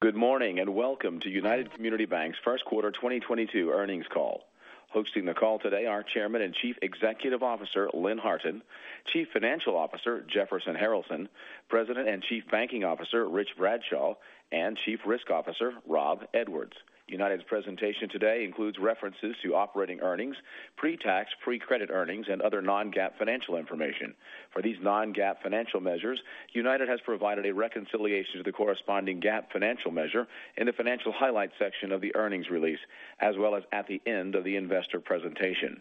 Good morning, and welcome to United Community Banks' first quarter 2022 earnings call. Hosting the call today are Chairman and Chief Executive Officer Lynn Harton, Chief Financial Officer Jefferson Harrelson, President and Chief Banking Officer Richard Bradshaw, and Chief Risk Officer Robert Edwards. United's presentation today includes references to operating earnings, pre-tax, pre-credit earnings and other non-GAAP financial information. For these non-GAAP financial measures, United has provided a reconciliation to the corresponding GAAP financial measure in the financial highlights section of the earnings release, as well as at the end of the investor presentation.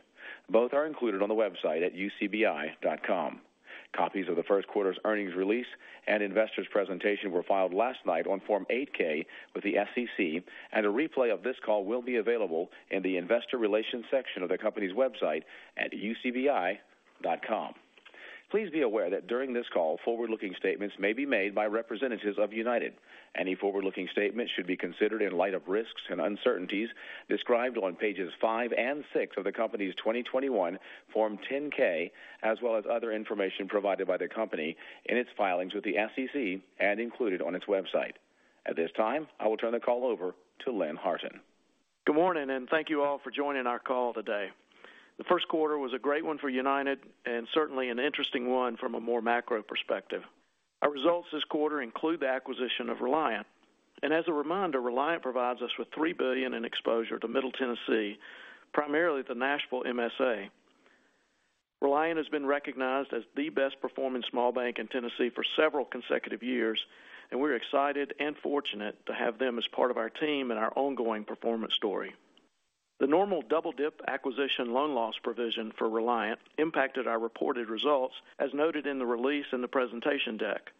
Both are included on the website at ucbi.com. Copies of the first quarter's earnings release and investor presentation were filed last night on Form 8-K with the SEC, and a replay of this call will be available in the investor relations section of the company's website at ucbi.com. Please be aware that during this call, forward-looking statements may be made by representatives of United. Any forward-looking statements should be considered in light of risks and uncertainties described on pages five and six of the company's 2021 Form 10-K, as well as other information provided by the company in its filings with the SEC and included on its website. At this time, I will turn the call over to Lynn Harton. Good morning, and thank you all for joining our call today. The first quarter was a great one for United and certainly an interesting one from a more macro perspective. Our results this quarter include the acquisition of Reliant. As a reminder, Reliant provides us with $3 billion in exposure to Middle Tennessee, primarily the Nashville MSA. Reliant has been recognized as the best performing small bank in Tennessee for several consecutive years, and we're excited and fortunate to have them as part of our team and our ongoing performance story. The normal double-dip acquisition loan loss provision for Reliant impacted our reported results, as noted in the release in the presentation deck.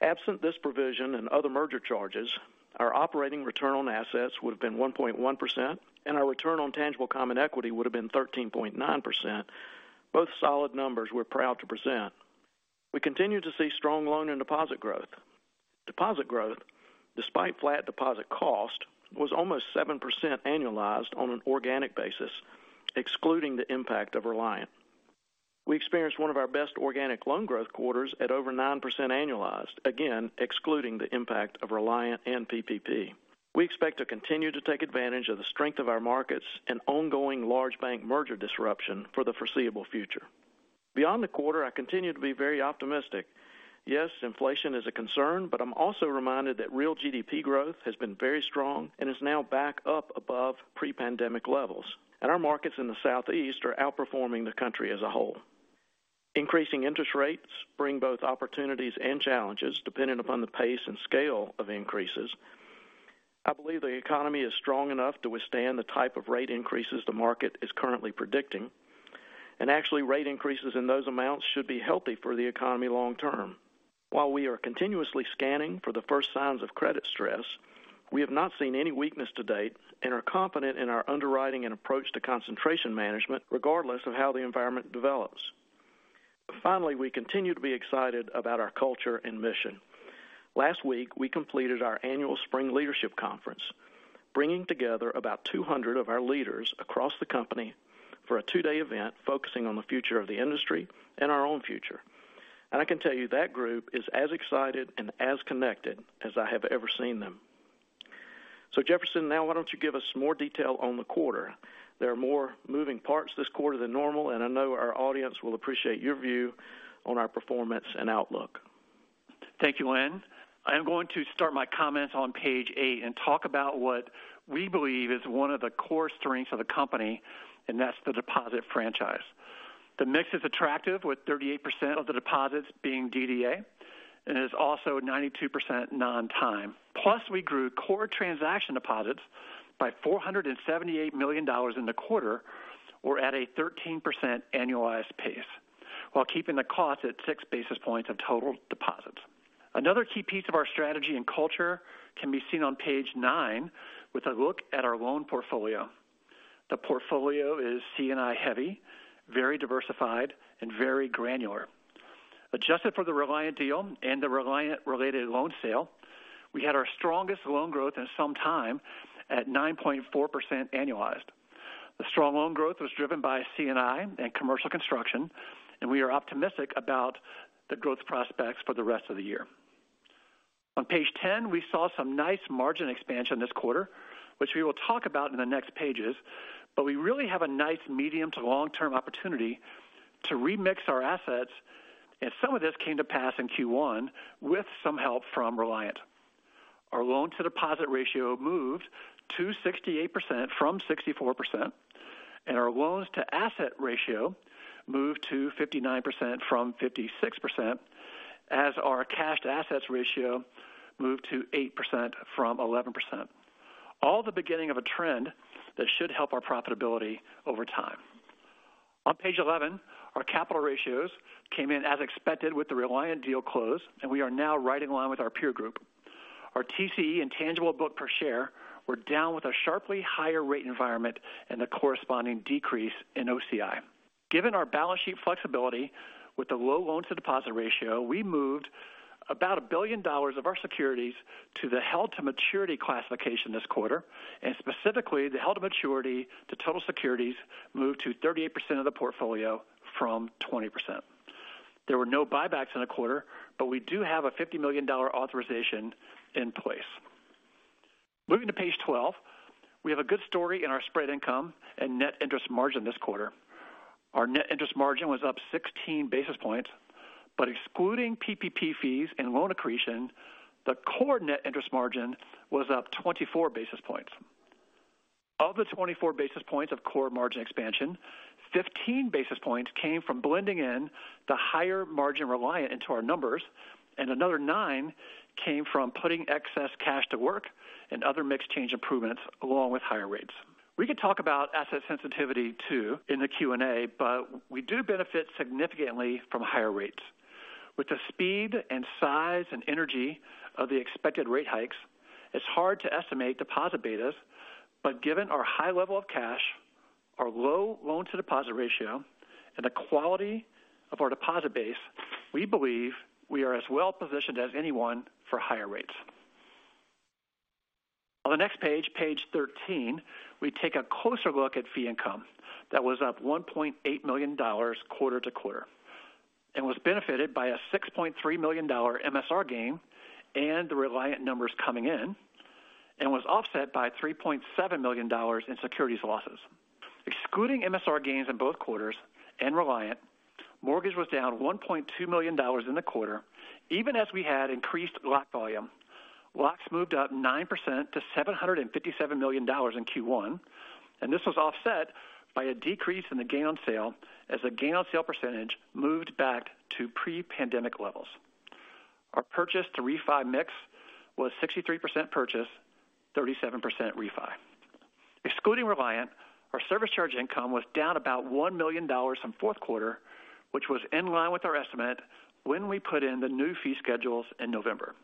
Absent this provision and other merger charges, our operating return on assets would have been 1.1%, and our return on tangible common equity would have been 13.9%. Both solid numbers we're proud to present. We continue to see strong loan and deposit growth. Deposit growth, despite flat deposit cost, was almost 7% annualized on an organic basis, excluding the impact of Reliant. We experienced one of our best organic loan growth quarters at over 9% annualized, again, excluding the impact of Reliant and PPP. We expect to continue to take advantage of the strength of our markets and ongoing large bank merger disruption for the foreseeable future. Beyond the quarter, I continue to be very optimistic. Yes, inflation is a concern, but I'm also reminded that real GDP growth has been very strong and is now back up above pre-pandemic levels. Our markets in the Southeast are outperforming the country as a whole. Increasing interest rates bring both opportunities and challenges depending upon the pace and scale of increases. I believe the economy is strong enough to withstand the type of rate increases the market is currently predicting, and actually rate increases in those amounts should be healthy for the economy long term. While we are continuously scanning for the first signs of credit stress, we have not seen any weakness to date and are confident in our underwriting and approach to concentration management regardless of how the environment develops. Finally, we continue to be excited about our culture and mission. Last week, we completed our annual spring leadership conference, bringing together about 200 of our leaders across the company for a two-day event focusing on the future of the industry and our own future. I can tell you that group is as excited and as connected as I have ever seen them. Jefferson, now why don't you give us more detail on the quarter? There are more moving parts this quarter than normal, and I know our audience will appreciate your view on our performance and outlook. Thank you, Lynn. I am going to start my comments on page 8 and talk about what we believe is one of the core strengths of the company, and that's the deposit franchise. The mix is attractive with 38% of the deposits being DDA, and it is also 92% non-time. Plus, we grew core transaction deposits by $478 million in the quarter. We're at a 13% annualized pace while keeping the cost at 6 basis points of total deposits. Another key piece of our strategy and culture can be seen on page 9 with a look at our loan portfolio. The portfolio is C&I heavy, very diversified, and very granular. Adjusted for the Reliant deal and the Reliant-related loan sale, we had our strongest loan growth in some time at 9.4% annualized. The strong loan growth was driven by C&I and commercial construction, and we are optimistic about the growth prospects for the rest of the year. On page 10, we saw some nice margin expansion this quarter, which we will talk about in the next pages, but we really have a nice medium to long-term opportunity to remix our assets, and some of this came to pass in Q1 with some help from Reliant. Our loan to deposit ratio moved to 68% from 64%, and our loans to asset ratio moved to 59% from 56% as our cash to assets ratio moved to 8% from 11%. At the beginning of a trend that should help our profitability over time. On page 11, our capital ratios came in as expected with the Reliant deal closed, and we are now right in line with our peer group. Our TCE and tangible book per share were down with a sharply higher rate environment and the corresponding decrease in OCI. Given our balance sheet flexibility with the low loan to deposit ratio, we moved about $1 billion of our securities to the held to maturity classification this quarter, and specifically the held to maturity to total securities moved to 38% of the portfolio from 20%. There were no buybacks in the quarter, but we do have a $50 million authorization in place. Moving to page 12, we have a good story in our spread income and net interest margin this quarter. Our net interest margin was up 16 basis points, but excluding PPP fees and loan accretion, the core net interest margin was up 24 basis points. Of the 24 basis points of core margin expansion, 15 basis points came from blending in the higher margin Reliant into our numbers, and another 9 came from putting excess cash to work and other mix change improvements along with higher rates. We could talk about asset sensitivity too in the Q&A, but we do benefit significantly from higher rates. With the speed and size and energy of the expected rate hikes, it's hard to estimate deposit betas. Given our high level of cash, our low loan to deposit ratio, and the quality of our deposit base, we believe we are as well positioned as anyone for higher rates. On the next page 13, we take a closer look at fee income that was up $1.8 million quarter-to-quarter, and was benefited by a $6.3 million MSR gain and the Reliant numbers coming in, and was offset by $3.7 million in securities losses. Excluding MSR gains in both quarters and Reliant, mortgage was down $1.2 million in the quarter, even as we had increased lock volume. Locks moved up 9% to $757 million in Q1, and this was offset by a decrease in the gain on sale as the gain on sale percentage moved back to pre-pandemic levels. Our purchase to refi mix was 63% purchase, 37% refi. Excluding Reliant, our service charge income was down about $1 million from fourth quarter, which was in line with our estimate when we put in the new fee schedules in November.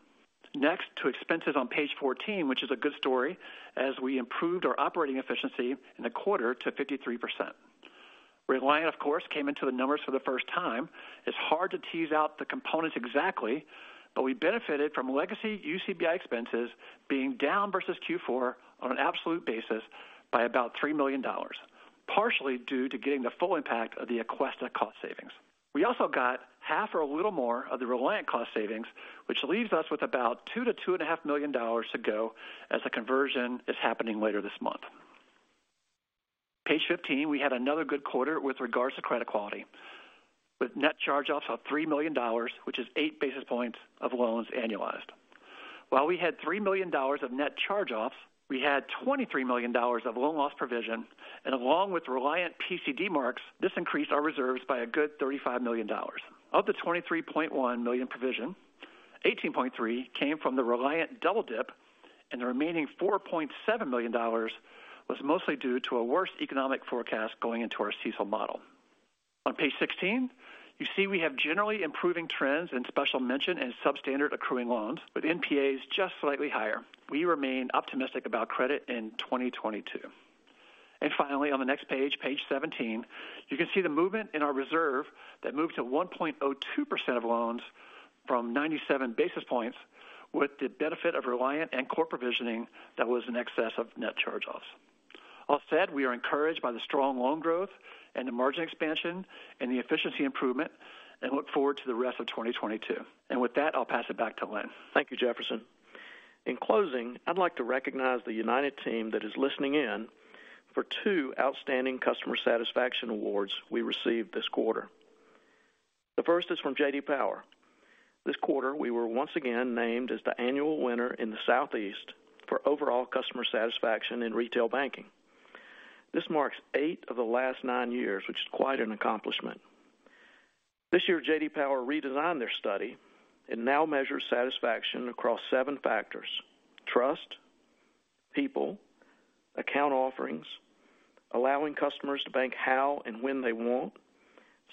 Next to expenses on page 14, which is a good story as we improved our operating efficiency in the quarter to 53%. Reliant, of course, came into the numbers for the first time. It's hard to tease out the components exactly, but we benefited from legacy UCBI expenses being down versus Q4 on an absolute basis by about $3 million, partially due to getting the full impact of the Aquesta cost savings. We also got half or a little more of the Reliant cost savings, which leaves us with about $2 million–$2.5 million to go as the conversion is happening later this month. Page 15, we had another good quarter with regards to credit quality, with net charge-offs of $3 million, which is 8 basis points of loans annualized. While we had $3 million of net charge-offs, we had $23 million of loan loss provision, and along with Reliant PCD marks, this increased our reserves by a good $35 million. Of the $23.1 million provision, $18.3 million came from the Reliant double dip, and the remaining $4.7 million was mostly due to a worse economic forecast going into our CECL model. On page 16, you see we have generally improving trends in special mention and substandard accruing loans with NPAs just slightly higher. We remain optimistic about credit in 2022. Finally, on the next page 17, you can see the movement in our reserve that moved to 1.02% of loans from 97 basis points with the benefit of Reliant and core provisioning that was in excess of net charge-offs. All said, we are encouraged by the strong loan growth and the margin expansion and the efficiency improvement and look forward to the rest of 2022. With that, I'll pass it back to Lynn. Thank you, Jefferson. In closing, I'd like to recognize the United Team that is listening in for two outstanding customer satisfaction awards we received this quarter. The first is from J.D. Power. This quarter, we were once again named as the annual winner in the Southeast for overall customer satisfaction in retail banking. This marks eight of the last nine years, which is quite an accomplishment. This year, J.D. Power redesigned their study. It now measures satisfaction across seven factors. Trust, people, account offerings, allowing customers to bank how and when they want,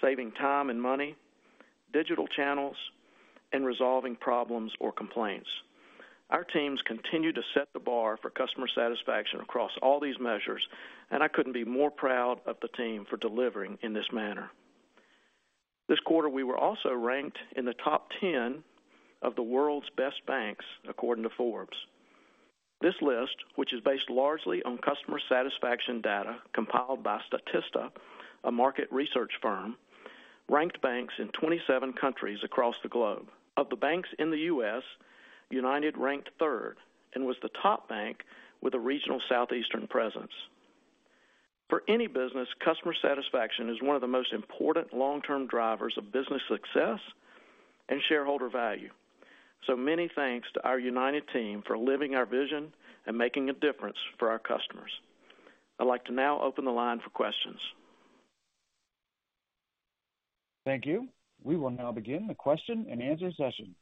saving time and money, digital channels, and resolving problems or complaints. Our teams continue to set the bar for customer satisfaction across all these measures, and I couldn't be more proud of the team for delivering in this manner. This quarter, we were also ranked in the top 10 of the world's best banks, according to Forbes. This list, which is based largely on customer satisfaction data compiled by Statista, a market research firm, ranked banks in 27 countries across the globe. Of the banks in the U.S., United ranked third and was the top bank with a regional Southeastern presence. For any business, customer satisfaction is one of the most important long-term drivers of business success and shareholder value. Many thanks to our United Team for living our vision and making a difference for our customers. I'd like to now open the line for questions. Thank you. We will now begin the question and answer session.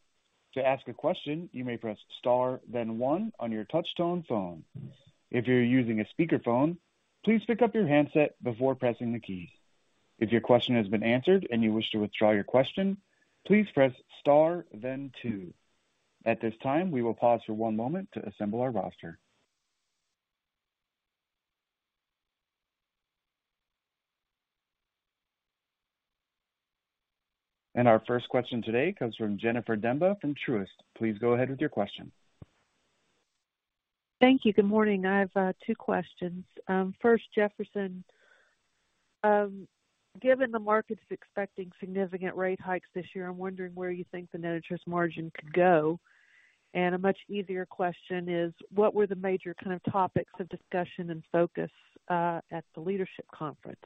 At this time, we will pause for one moment to assemble our roster. Our first question today comes from Jennifer Demba from Truist. Please go ahead with your question. Thank you. Good morning. I have two questions. First, Jefferson, given the markets expecting significant rate hikes this year, I'm wondering where you think the net interest margin could go. A much easier question is, what were the major kind of topics of discussion and focus at the leadership conference?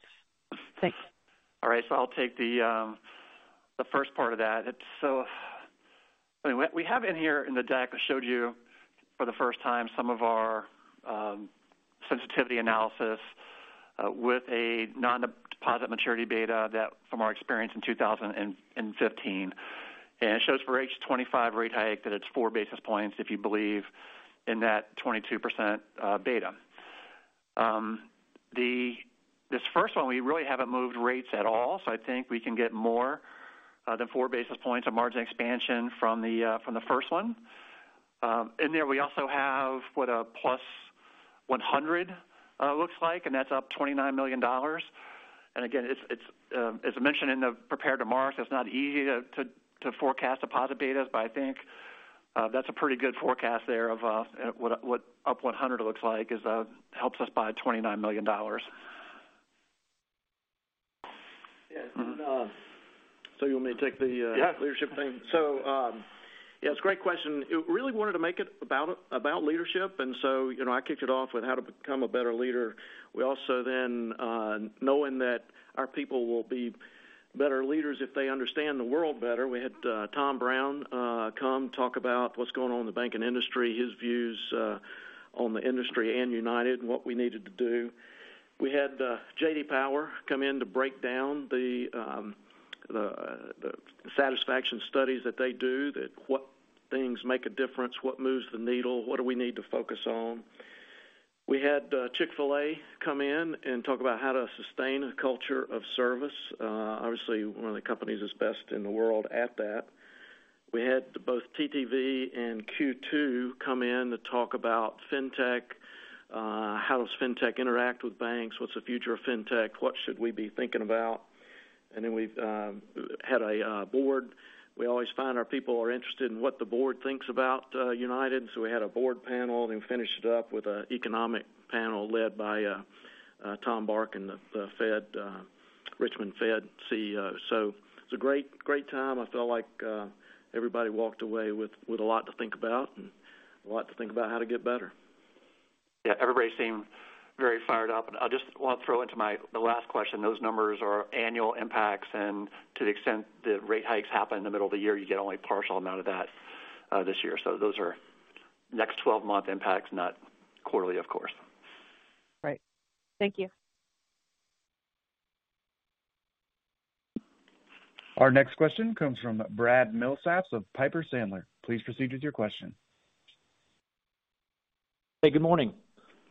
Thank you. All right. I'll take the first part of that. I mean, we have in here in the deck. I showed you for the first time some of our sensitivity analysis with a non-deposit maturity beta that from our experience in 2015. It shows for each 25 rate hike that it's 4 basis points if you believe in that 22% beta. This first one, we really haven't moved rates at all, so I think we can get more than 4 basis points of margin expansion from the first one. In there, we also have what a +100 looks like, and that's up $29 million. Again, it's as I mentioned in the prepared remarks. It's not easy to forecast deposit betas, but I think that's a pretty good forecast there of what up 100 looks like it helps us by $29 million. Yes. You want me to take the, Yeah. Leadership thing? Yeah, it's a great question. We really wanted to make it about leadership. You know, I kicked it off with how to become a better leader. We also, knowing that our people will be better leaders if they understand the world better, had Tom Brown come talk about what's going on in the banking industry, his views on the industry and United, and what we needed to do. We had J.D. Power come in to break down the satisfaction studies that they do, what things make a difference, what moves the needle, what we need to focus on. We had Chick-fil-A come in and talk about how to sustain a culture of service. Obviously, one of the companies that's best in the world at that. We had both TTV and Q2 come in to talk about fintech, how does fintech interact with banks? What's the future of fintech? What should we be thinking about? We always find our people are interested in what the board thinks about United. We had a board panel, then finished it up with an economic panel led by Tom Barkin, the Richmond Fed CEO. It's a great time. I feel like everybody walked away with a lot to think about and a lot to think about how to get better. Yeah, everybody seemed very fired up. I just want to throw into my last question, those numbers are annual impacts, and to the extent the rate hikes happen in the middle of the year, you get only partial amount of that, this year. Those are next 12-month impacts, not quarterly, of course. Right. Thank you. Our next question comes from Brad Milsaps of Piper Sandler. Please proceed with your question. Hey, good morning.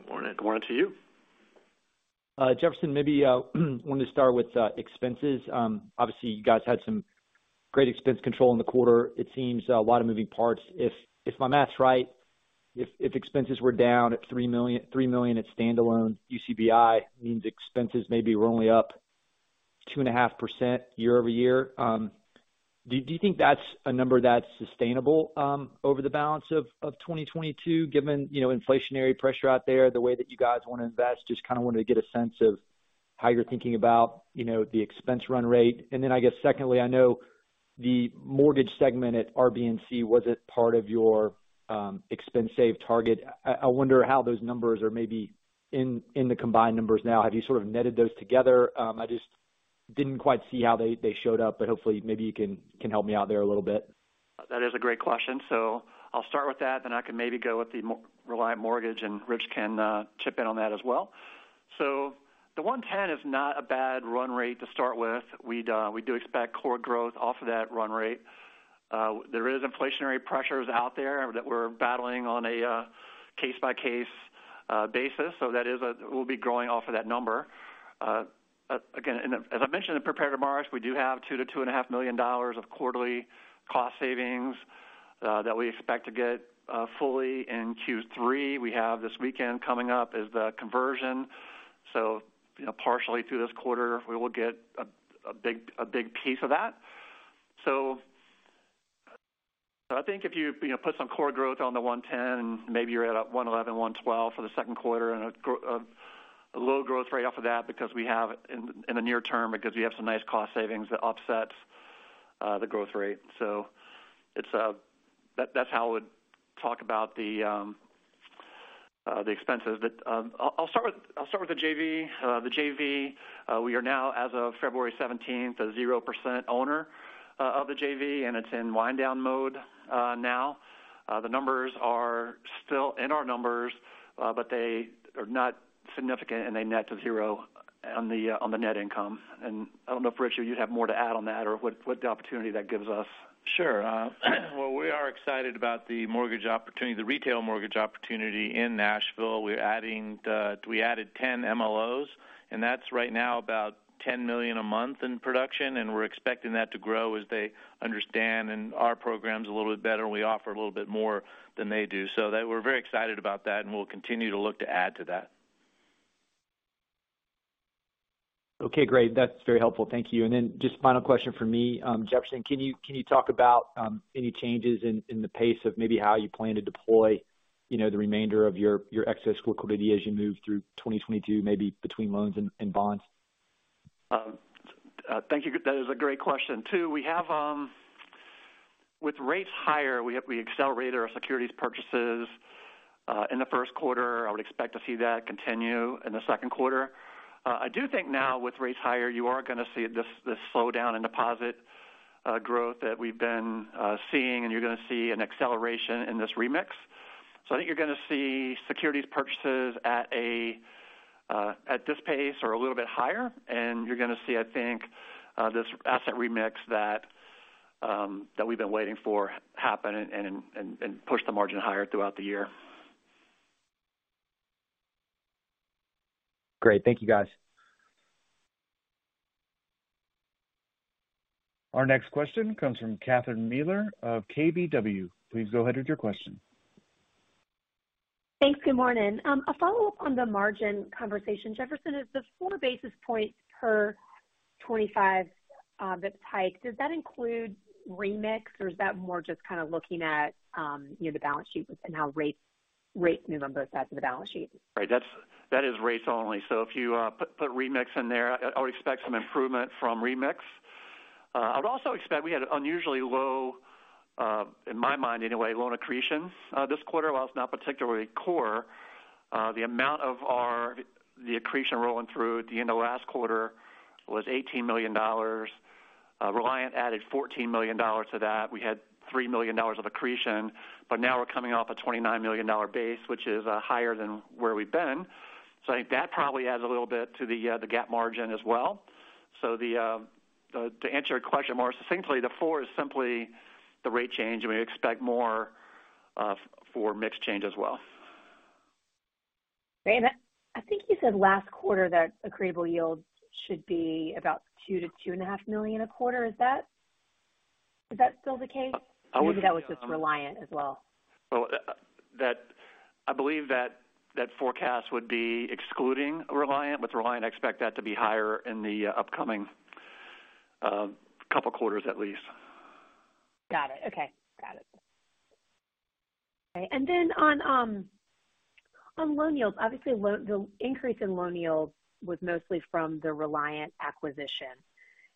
Morning. Good morning to you. Jefferson, maybe wanted to start with expenses. Obviously, you guys had some great expense control in the quarter. It seems a lot of moving parts. If my math's right, if expenses were down $3 million at standalone UCBI, that means expenses maybe were only up 2.5% year-over-year. Do you think that's a number that's sustainable over the balance of 2022, given, you know, inflationary pressure out there, the way that you guys want to invest? Just kind of wanted to get a sense of how you're thinking about, you know, the expense run rate. Then I guess secondly, I know the mortgage segment at RBNC wasn't part of your expense save target. I wonder how those numbers are maybe in the combined numbers now. Have you sort of netted those together? I just didn't quite see how they showed up, but hopefully maybe you can help me out there a little bit. That is a great question. I'll start with that, then I can maybe go with the Reliant Mortgage, and Rich can chip in on that as well. The 110 is not a bad run rate to start with. We do expect core growth off of that run rate. There is inflationary pressures out there that we're battling on a case-by-case basis. That is. We'll be growing off of that number. Again, as I mentioned in prepared remarks, we do have $2 million–$2.5 million of quarterly cost savings that we expect to get fully in Q3. We have this weekend coming up is the conversion. Partially through this quarter, we will get a big piece of that. I think if you know, put some core growth on the $110, maybe you're at a $111–$112 for the second quarter and a low growth rate off of that in the near term because we have some nice cost savings that offsets the growth rate. It's that. That's how I would talk about the expenses. I'll start with the JV. The JV, we are now as of February 17, a 0% owner of the JV, and it's in wind down mode now. The numbers are still in our numbers, but they are not significant, and they net to zero on the net income. I don't know if, Rich, you'd have more to add on that or what the opportunity that gives us. Sure. Well, we are excited about the retail mortgage opportunity in Nashville. We added 10 MLOs, and that's right now about $10 million a month in production, and we're expecting that to grow as they understand and our program's a little bit better, and we offer a little bit more than they do. We're very excited about that and we'll continue to look to add to that. Okay, great. That's very helpful. Thank you. Just final question for me, Jefferson, can you talk about any changes in the pace of maybe how you plan to deploy, you know, the remainder of your excess liquidity as you move through 2022, maybe between loans and bonds? Thank you. That is a great question, too. We have, with rates higher, we accelerated our securities purchases in the first quarter. I would expect to see that continue in the second quarter. I do think now with rates higher, you are going to see this slowdown in deposit growth that we've been seeing, and you're going to see an acceleration in this remix. I think you're going to see securities purchases at this pace or a little bit higher, and you're going to see this asset remix that we've been waiting for happen and push the margin higher throughout the year. Great. Thank you, guys. Our next question comes from Catherine Mealor of KBW. Please go ahead with your question. Thanks. Good morning. A follow-up on the margin conversation. Jefferson, is the 4 basis points per 25 bps hike, does that include remix, or is that more just kind of looking at, you know, the balance sheet and how rates move on both sides of the balance sheet? Right. That is rates only. If you put remix in there, I would expect some improvement from remix. I'd also expect we had unusually low, in my mind anyway, loan accretions this quarter, while it's not particularly core. The amount of our accretion rolling through at the end of last quarter was $18 million. Reliant added $14 million to that. We had $3 million of accretion, but now we're coming off a $29 million base, which is higher than where we've been. I think that probably adds a little bit to the gap margin as well. To answer your question more succinctly, the 4 is simply the rate change, and we expect more for mix change as well. Great. I think you said last quarter that accretable yields should be about $2 million–$2.5 million a quarter. Is that still the case? I would say- Maybe that was just Reliant as well. Well, I believe that forecast would be excluding Reliant. With Reliant, I expect that to be higher in the upcoming couple quarters at least. Got it. Okay. Got it. Then on loan yields, obviously the increase in loan yields was mostly from the Reliant acquisition.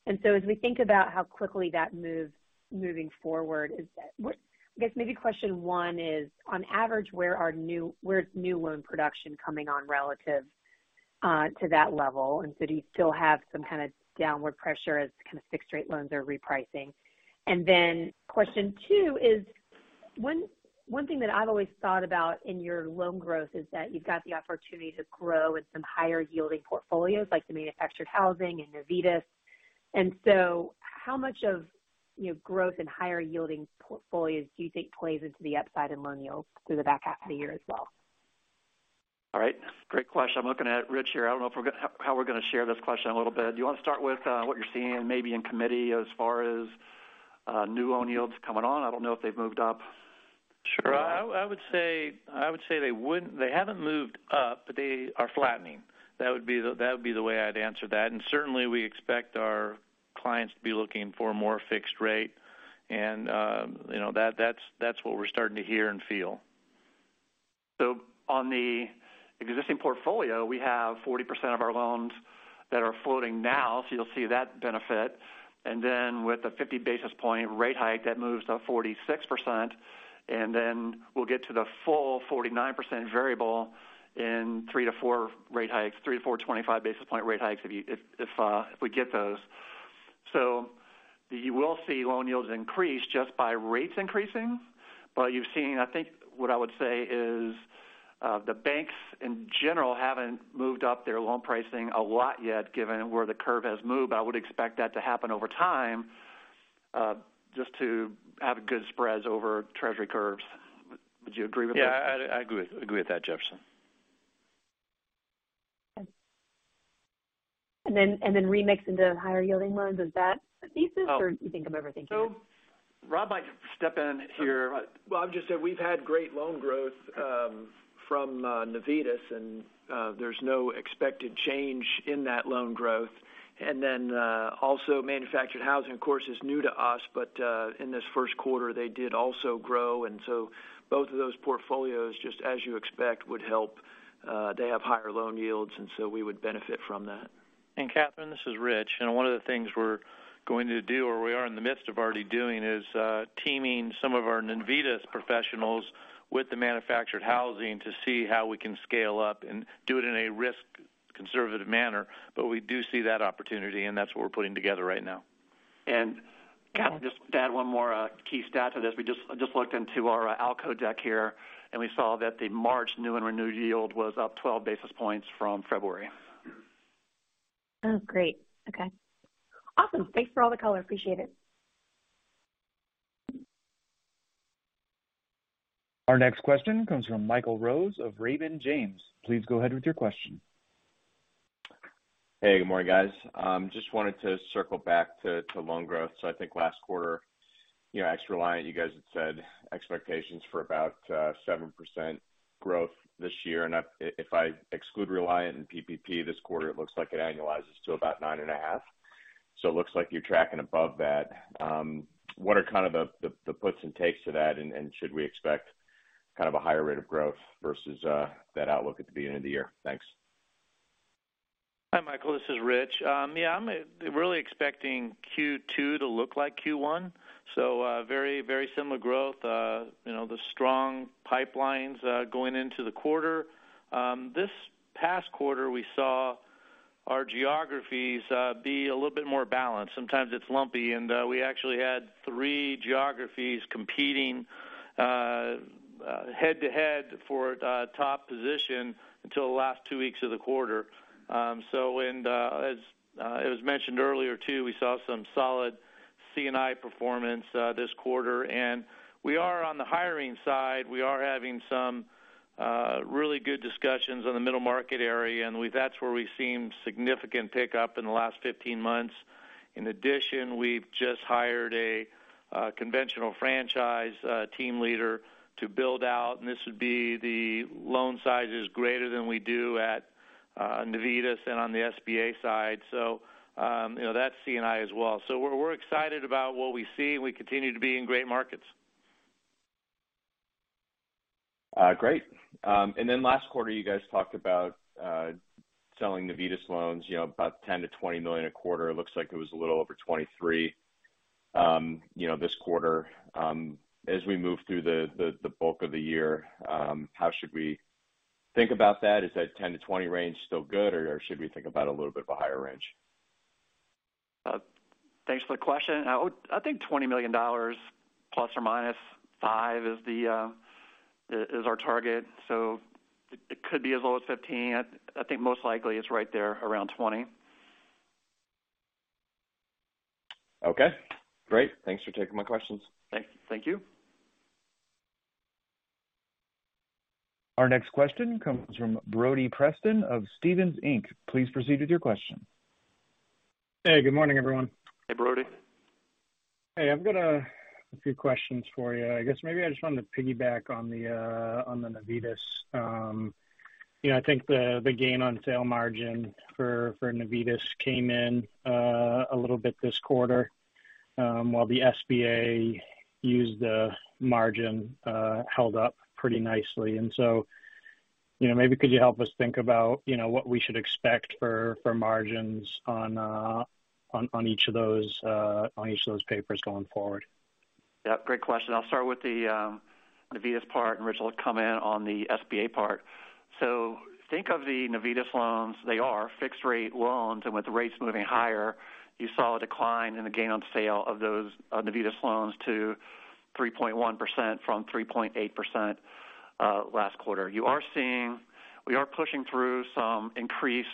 As we think about how quickly that is moving forward, is that I guess maybe question one is, on average, where's new loan production coming on relative to that level? Do you still have some kind of downward pressure as kind of fixed-rate loans are repricing? Then question two is one thing that I've always thought about in your loan growth is that you've got the opportunity to grow in some higher yielding portfolios like the manufactured housing and Navitas. How much of, you know, growth in higher yielding portfolios do you think plays into the upside in loan yields through the back half of the year as well? All right. Great question. I'm looking at Rich here. I don't know if we're going to share this question a little bit. Do you want to start with what you're seeing maybe in committee as far as new loan yields coming on? I don't know if they've moved up. Sure. I would say they haven't moved up, but they are flattening. That would be the way I'd answer that. Certainly, we expect our clients to be looking for more fixed-rate and, you know, that's what we're starting to hear and feel. On the existing portfolio, we have 40% of our loans that are floating now. You'll see that benefit. With the 50 basis point rate hike, that moves to 46%. We'll get to the full 49% variable in 3-4 rate hikes, 3-4 25 basis point rate hikes if we get those. You will see loan yields increase just by rates increasing. I think what I would say is, the banks in general haven't moved up their loan pricing a lot yet, given where the curve has moved. I would expect that to happen over time, just to have good spreads over Treasury curves. Would you agree with that? Yeah, I agree with that, Jefferson. remix into higher-yielding loans. Is that the thesis? Oh. Do you think I'm overthinking it? Rob might step in here. Well, I'll just say we've had great loan growth from Navitas, and there's no expected change in that loan growth. Then, also, manufactured housing, of course, is new to us, but in this first quarter, they did also grow. So both of those portfolios, just as you expect, would help. They have higher loan yields, and so we would benefit from that. Catherine, this is Rich. One of the things we're going to do or we are in the midst of already doing is teaming some of our Navitas professionals with the manufactured housing to see how we can scale up and do it in a risk conservative manner. We do see that opportunity, and that's what we're putting together right now. Catherine, just to add one more key stat to this. We just looked into our ALCO deck here, and we saw that the March new and renewed yield was up 12 basis points from February. Oh, great. Okay. Awesome. Thanks for all the color. Appreciate it. Our next question comes from Michael Rose of Raymond James. Please go ahead with your question. Hey, good morning, guys. Just wanted to circle back to loan growth. I think last quarter. Yeah, ex Reliant, you guys had said expectations for about 7% growth this year. If I exclude Reliant and PPP this quarter, it looks like it annualizes to about 9.5%. It looks like you're tracking above that. What are kind of the puts and takes to that? Should we expect kind of a higher rate of growth versus that outlook at the beginning of the year? Thanks. Hi, Michael, this is Rich. Yeah, I'm really expecting Q2 to look like Q1. Very similar growth. You know, the strong pipelines going into the quarter. This past quarter, we saw our geographies be a little bit more balanced. Sometimes it's lumpy, and we actually had three geographies competing head-to-head for a top position until the last two weeks of the quarter. As it was mentioned earlier too, we saw some solid C&I performance this quarter. We are on the hiring side. We are having some really good discussions on the middle market area, and that's where we've seen significant pickup in the last 15 months. In addition, we've just hired a conventional franchise team leader to build out, and this would be the loan sizes greater than we do at Navitas and on the SBA side. You know, that's C&I as well. We're excited about what we see, and we continue to be in great markets. Great. Last quarter, you guys talked about selling Navitas loans, you know, about $10 million–$20 million a quarter. It looks like it was a little over $23 million, you know, this quarter. As we move through the bulk of the year, how should we think about that? Is that $10 million–$20 million range still good, or should we think about a little bit of a higher range? Thanks for the question. I think $20 million ± $5 million is our target, so it could be as low as $15 million. I think most likely it's right there around $20 million. Okay, great. Thanks for taking my questions. Thank you. Our next question comes from Brody Preston of Stephens Inc. Please proceed with your question. Hey, good morning, everyone. Hey, Brody. Hey, I've got a few questions for you. I guess maybe I just wanted to piggyback on the Navitas. You know, I think the gain on sale margin for Navitas came in a little bit this quarter, while the SBA U.S. margin held up pretty nicely. You know, maybe could you help us think about what we should expect for margins on each of those papers going forward? Yeah, great question. I'll start with the Navitas part, and Rich will comment on the SBA part. Think of the Navitas loans, they are fixed-rate loans, and with rates moving higher, you saw a decline in the gain on sale of those Navitas loans to 3.1% from 3.8% last quarter. We are pushing through some increased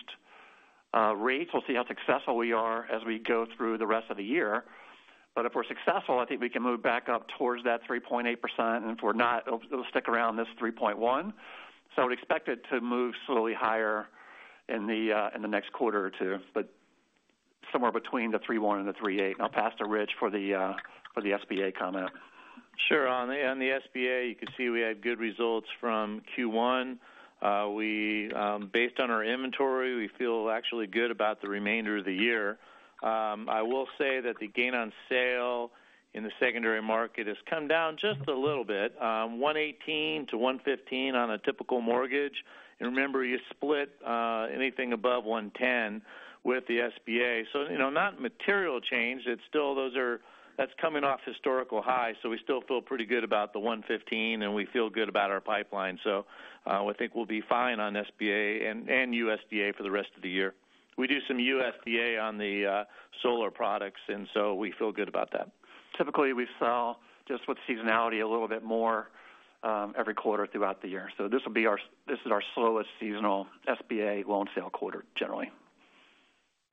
rates. We'll see how successful we are as we go through the rest of the year. If we're successful, I think we can move back up towards that 3.8%. If we're not, it'll stick around this 3.1%. I would expect it to move slowly higher in the next quarter or two, but somewhere between the 3.1% and the 3.8%. I'll pass to Rich for the SBA comment. Sure. On the SBA, you could see we had good results from Q1. Based on our inventory, we feel actually good about the remainder of the year. I will say that the gain on sale in the secondary market has come down just a little bit, 118-115 on a typical mortgage. Remember, you split anything above 110 with the SBA. You know, not material change, it's still coming off historical highs, so we still feel pretty good about the 115, and we feel good about our pipeline. I think we'll be fine on SBA and USDA for the rest of the year. We do some USDA on the solar products, and so we feel good about that. Typically, we sell just with seasonality a little bit more, every quarter throughout the year. This is our slowest seasonal SBA loan sale quarter, generally.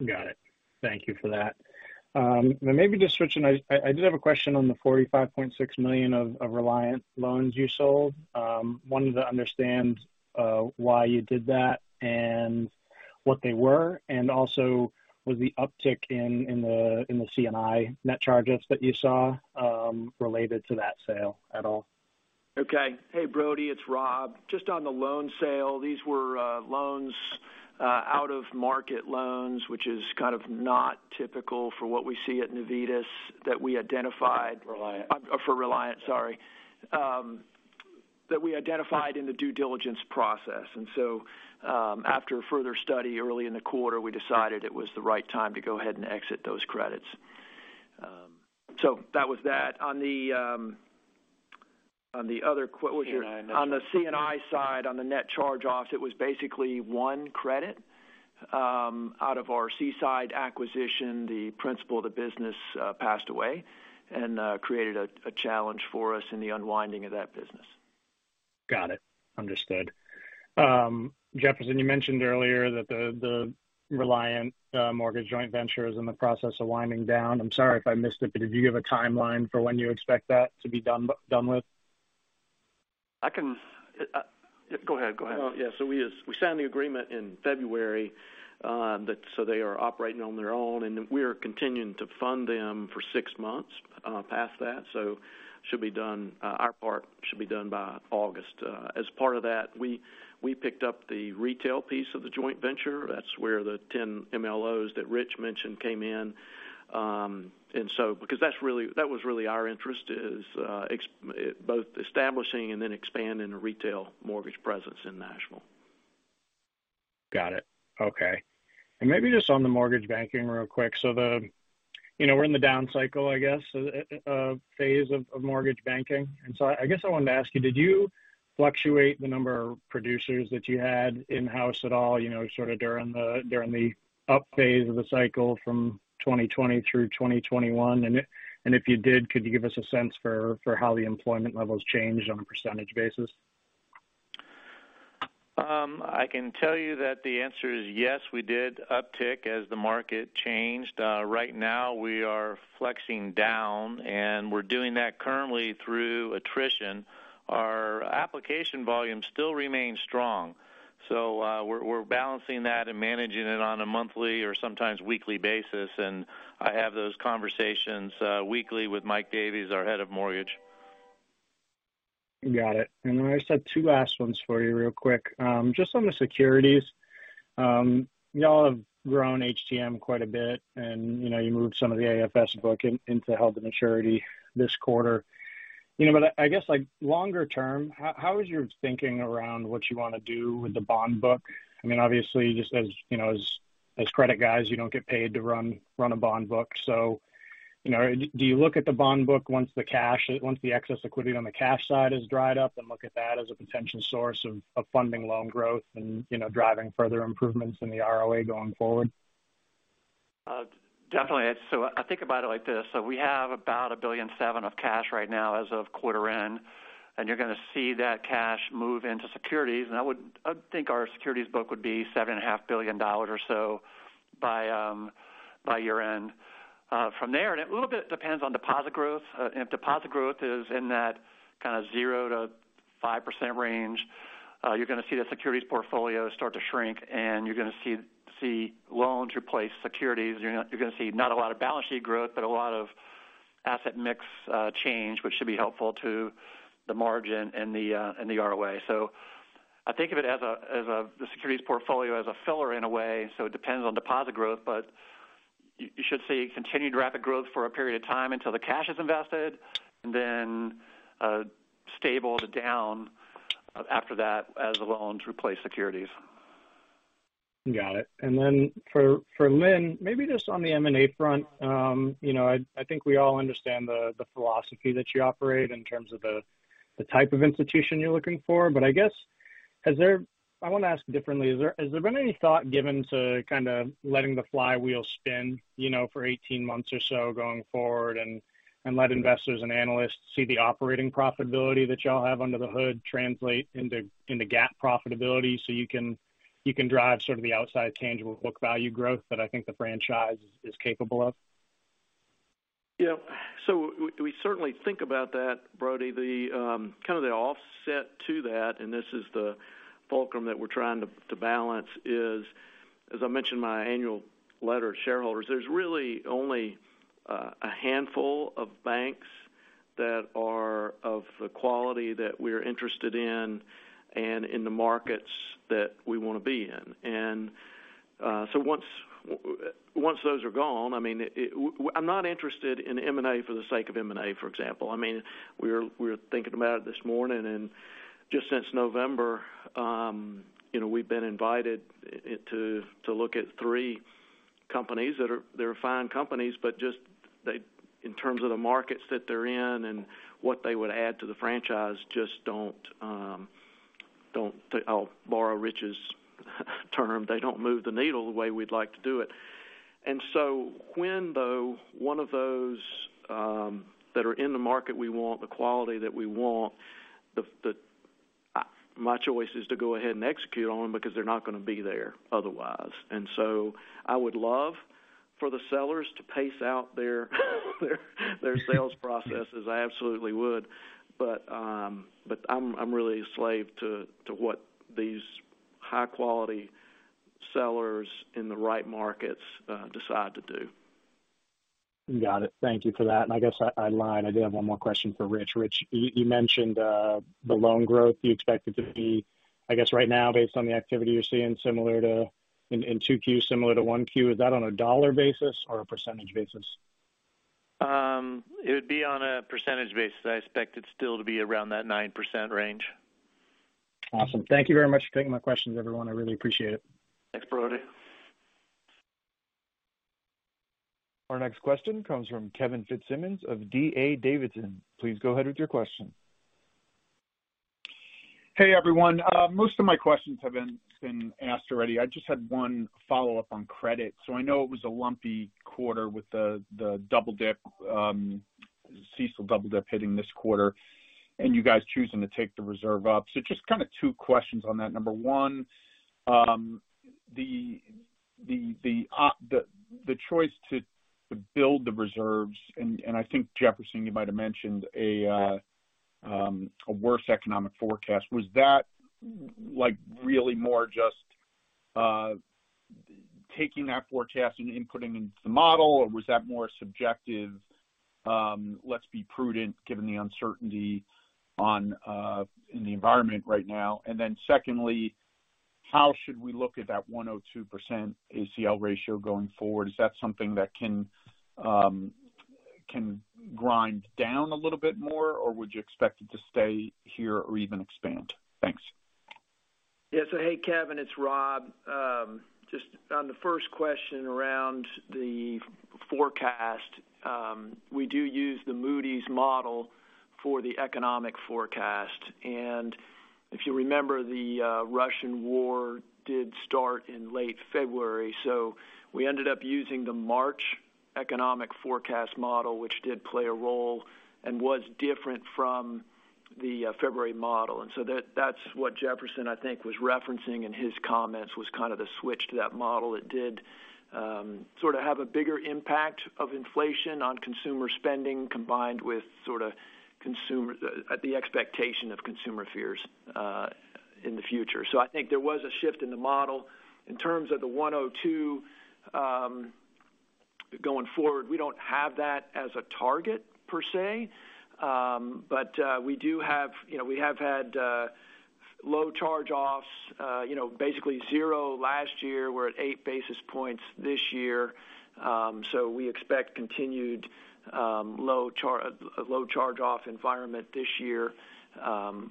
Got it. Thank you for that. Maybe just switching. I did have a question on the $45.6 million of Reliant loans you sold. Wanted to understand why you did that and what they were. Also, was the uptick in the C&I net charge-offs that you saw related to that sale at all? Okay. Hey, Brody, it's Rob. Just on the loan sale, these were loans out-of-market loans, which is kind of not typical for what we see at Navitas that we identified. Reliant. For Reliant, sorry, that we identified in the due diligence process. After further study early in the quarter, we decided it was the right time to go ahead and exit those credits. That was that. On the other que- C&I On the C&I side, on the net charge-offs, it was basically one credit out of our Seaside acquisition. The principal of the business passed away and created a challenge for us in the unwinding of that business. Got it. Understood. Jefferson, you mentioned earlier that the Reliant mortgage joint venture is in the process of winding down. I'm sorry if I missed it, but did you give a timeline for when you expect that to be done with? I can go ahead. Well, yeah. We signed the agreement in February. They are operating on their own, and we are continuing to fund them for six months past that. Our part should be done by August. As part of that, we picked up the retail piece of the joint venture. That's where the 10 MLOs that Rich mentioned came in. Because that was really our interest in both establishing and then expanding the retail mortgage presence in Nashville. Got it. Okay. Maybe just on the mortgage banking real quick. You know, we're in the down cycle, I guess, phase of mortgage banking. I guess I wanted to ask you, did you fluctuate the number of producers that you had in-house at all, you know, sort of during the up phase of the cycle from 2020 through 2021? If you did, could you give us a sense for how the employment levels changed on a percentage basis? I can tell you that the answer is yes, we did uptick as the market changed. Right now we are flexing down, and we're doing that currently through attrition. Our application volume still remains strong, so we're balancing that and managing it on a monthly or sometimes weekly basis. I have those conversations weekly with Mike Davies, our head of mortgage. Got it. I just have two last ones for you real quick. Just on the securities. Y'all have grown HTM quite a bit and, you know, you moved some of the AFS book into held to maturity this quarter. You know, but I guess, like, longer term, how is your thinking around what you want to do with the bond book? I mean, obviously, just as, you know, as credit guys, you don't get paid to run a bond book. You know, do you look at the bond book once the excess liquidity on the cash side is dried up and look at that as a potential source of funding loan growth and, you know, driving further improvements in the ROA going forward? Definitely. I think about it like this. We have about $1.7 billion of cash right now as of quarter end, and you're going to see that cash move into securities. I think our securities book would be $7.5 billion or so by year-end. From there, a little bit depends on deposit growth. If deposit growth is in that kind of 0%-5% range, you're going to see the securities portfolio start to shrink and you're going to see loans replace securities. You're going to see not a lot of balance sheet growth, but a lot of asset mix change, which should be helpful to the margin and the ROA. I think of it as the securities portfolio as a filler in a way. It depends on deposit growth, but you should see continued rapid growth for a period of time until the cash is invested and then stable to down after that as the loans replace securities. Got it. For Lynn, maybe just on the M&A front. You know, I think we all understand the philosophy that you operate in terms of the type of institution you're looking for. I guess I want to ask differently. Has there been any thought given to kind of letting the flywheel spin, you know, for 18 months or so going forward and let investors and analysts see the operating profitability that y'all have under the hood translate into GAAP profitability so you can drive sort of the outside tangible book value growth that I think the franchise is capable of? Yeah. We certainly think about that, Brody. The kind of offset to that, and this is the fulcrum that we're trying to balance is, as I mentioned in my annual letter to shareholders, there's really only a handful of banks that are of the quality that we're interested in and in the markets that we want to be in. Once those are gone, I mean, I'm not interested in M&A for the sake of M&A, for example. I mean, we're thinking about it this morning and just since November, you know, we've been invited to look at three companies that are they're fine companies, but just they in terms of the markets that they're in and what they would add to the franchise just don't. I'll borrow Rich's term. They don't move the needle the way we'd like to do it. When one of those that are in the market we want, the quality that we want, my choice is to go ahead and execute on them because they're not going to be there otherwise. I would love for the sellers to pace out their sales processes. I absolutely would. But I'm really a slave to what these high-quality sellers in the right markets decide to do. Got it. Thank you for that. I guess I lied. I did have one more question for Rich. Rich, you mentioned the loan growth you expect it to be, I guess right now based on the activity you're seeing similar to in 2Q, similar to 1Q. Is that on a dollar basis or a percentage basis? It would be on a percentage basis. I expect it still to be around that 9% range. Awesome. Thank you very much for taking my questions, everyone. I really appreciate it. Thanks, Brody. Our next question comes from Kevin Fitzsimmons of D.A. Davidson. Please go ahead with your question. Hey, everyone. Most of my questions have been asked already. I just had one follow-up on credit, so I know it was a lumpy quarter with the double dip CECL double dip hitting this quarter and you guys choosing to take the reserve up. So just kind of two questions on that. Number one, the choice to build the reserves and I think Jefferson, you might have mentioned a worse economic forecast. Was that, like, really more just taking that forecast and inputting into the model? Or was that more subjective, let's be prudent given the uncertainty in the environment right now? And then secondly, how should we look at that 1.02% ACL ratio going forward? Is that something that can grind down a little bit more, or would you expect it to stay here or even expand? Thanks. Yeah. Hey, Kevin, it's Rob. Just on the first question around the forecast. We do use the Moody's model for the economic forecast. If you remember, the Russian war did start in late February, so we ended up using the March economic forecast model, which did play a role and was different from the February model. That's what Jefferson, I think, was referencing in his comments, was kind of the switch to that model. It did sort of have a bigger impact of inflation on consumer spending, combined with sort of the expectation of consumer fears in the future. I think there was a shift in the model. In terms of the 102, going forward, we don't have that as a target per se. We do have... You know, we have had low charge-offs, basically zero last year. We're at 8 basis points this year. We expect continued low charge-off environment this year,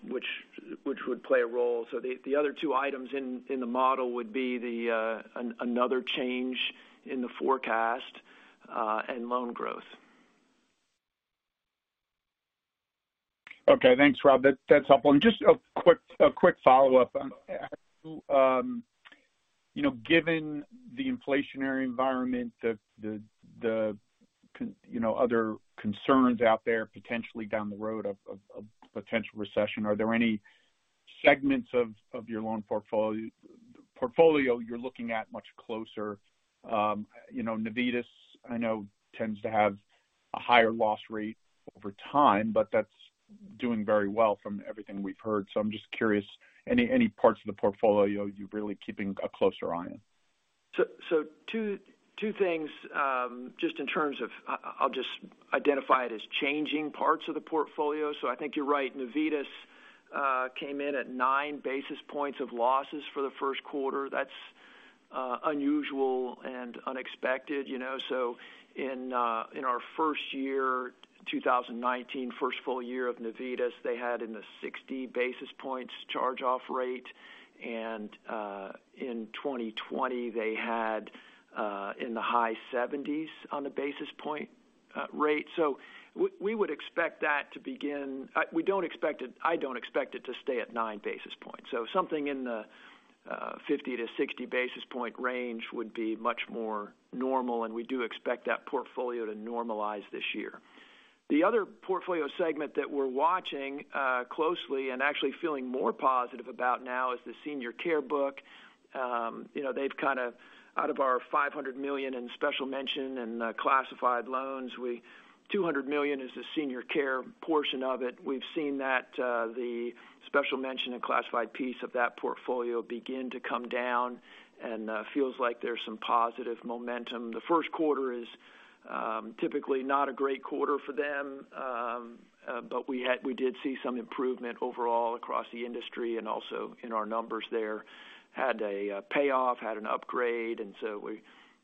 which would play a role. The other two items in the model would be another change in the forecast and loan growth. Okay. Thanks, Rob. That's helpful. Just a quick follow-up. You know, given the inflationary environment, you know, other concerns out there potentially down the road of potential recession, are there any segments of your loan portfolio you're looking at much closer? You know, Navitas, I know, tends to have a higher loss rate over time, but that's doing very well from everything we've heard. I'm just curious, any parts of the portfolio you're really keeping a closer eye on? Two things. Just in terms of, I'll just identify it as changing parts of the portfolio. I think you're right. Navitas came in at 9 basis points of losses for the first quarter. That's unusual and unexpected, you know. In our first year, 2019, first full year of Navitas, they had in the 60-basis-points charge-off rate. In 2020 they had in the high-70s basis-point rate. We would expect that to begin. We don't expect it. I don't expect it to stay at 9 basis points. Something in the 50-60 basis point range would be much more normal, and we do expect that portfolio to normalize this year. The other portfolio segment that we're watching closely and actually feeling more positive about now is the senior care book. You know, out of our $500 million in special mention and classified loans, $200 million is the senior care portion of it. We've seen that the special mention and classified piece of that portfolio begin to come down and feels like there's some positive momentum. The first quarter is typically not a great quarter for them. We did see some improvement overall across the industry and also in our numbers there, had a payoff, had an upgrade, and so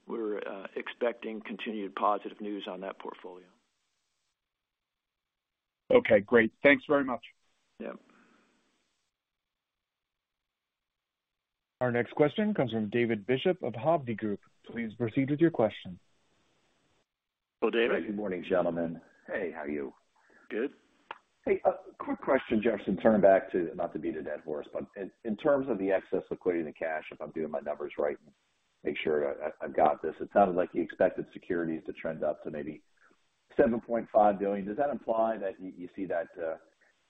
we're expecting continued positive news on that portfolio. Okay, great. Thanks very much. Yep. Our next question comes from David Bishop of Hovde Group. Please proceed with your question. Hello, David. Good morning, gentlemen. Hey, how are you? Good. Hey, a quick question, Jefferson. Turning back to, not to beat a dead horse, but in terms of the excess liquidity and the cash, if I'm doing my numbers right, make sure I've got this. It sounded like you expected securities to trend up to maybe $7.5 billion. Does that imply that you see that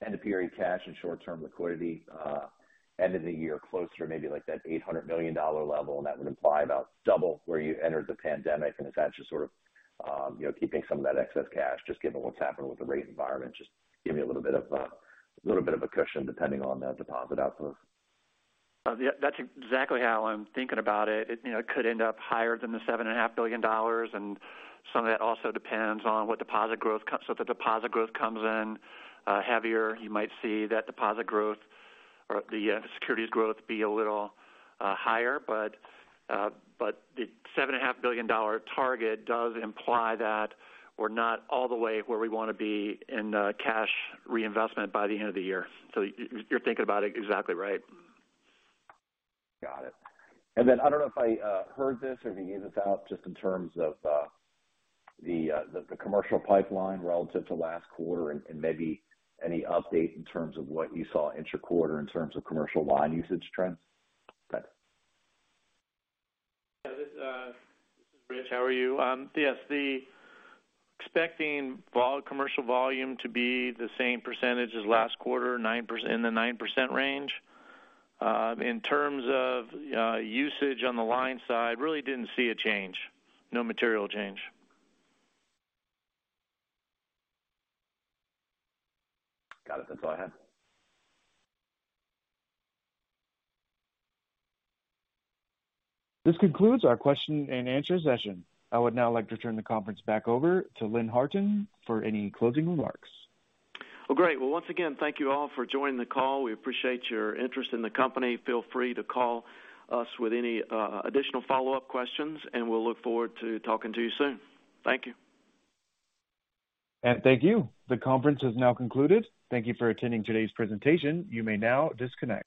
end of period cash and short-term liquidity end of the year closer to maybe like that $800 million level, and that would imply about double where you entered the pandemic? If that's just sort of, you know, keeping some of that excess cash, just given what's happened with the rate environment, just give me a little bit of a cushion depending on the deposit outflow. Yeah, that's exactly how I'm thinking about it. It, you know, could end up higher than the $7.5 billion, and some of that also depends on what deposit growth comes. So if the deposit growth comes in heavier, you might see that deposit growth or the securities growth be a little higher. But the $7.5 billion dollar target does imply that we're not all the way where we want to be in cash reinvestment by the end of the year. So you're thinking about it exactly right. Got it. I don't know if I heard this or if you gave this out just in terms of the commercial pipeline relative to last quarter and maybe any update in terms of what you saw interquarter in terms of commercial line usage trends? Yeah. This is Rich. How are you? Yes, expecting commercial volume to be the same percentage as last quarter, 9% in the 9% range. In terms of usage on the line side, really didn't see a change, no material change. Got it. That's all I had. This concludes our question and answer session. I would now like to turn the conference back over to Lynn Harton for any closing remarks. Well, great. Well, once again, thank you all for joining the call. We appreciate your interest in the company. Feel free to call us with any additional follow-up questions, and we'll look forward to talking to you soon. Thank you. Thank you. The conference has now concluded. Thank you for attending today's presentation. You may now disconnect.